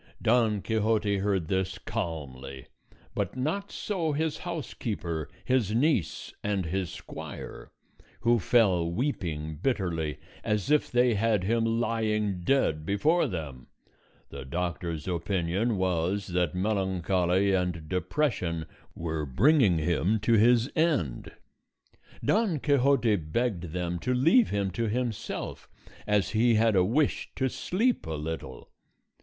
Don Quixote heard this calmly; but not so his housekeeper, his niece, and his squire, who fell weeping bitterly, as if they had him lying dead before them. The doctor's opinion was that melancholy and depression were bringing him to his end. Don Quixote begged them to leave him to himself, as he had a wish to sleep a little.